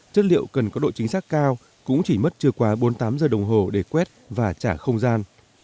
chất liệu cần có độ chính xác cao cũng chỉ mất chưa quá bốn mươi tám giờ đồng hồ để quét và trả không gian